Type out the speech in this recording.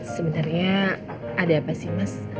sebenarnya ada apa sih mas